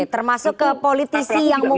termasuk ke politisi yang mungkin